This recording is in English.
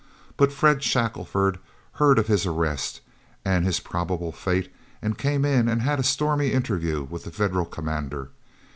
But Fred Shackelford heard of his arrest and his probable fate, and came in and had a stormy interview with the Federal commander.